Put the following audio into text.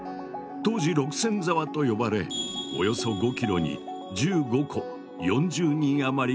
当時六線沢と呼ばれおよそ５ｋｍに１５戸４０人余りが暮らしていた。